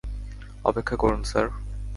অপেক্ষা করুন, স্যার।